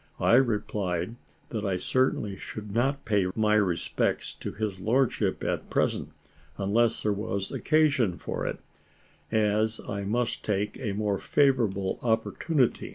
I replied, that I certainly should not pay my respects to his lordship at present, unless there was occasion for it, as I must take a more favourable opportunity.